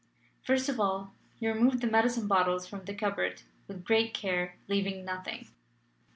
First of all he removed the medicine bottles from the cupboard with great care, leaving nothing.